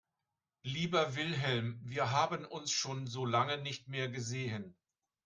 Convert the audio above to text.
Lieber Wilhelm, wir haben uns schon so lange nicht mehr gesehen.